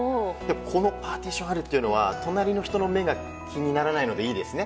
このパーティションがあるというのは隣の人の目が気にならないのでいいですね。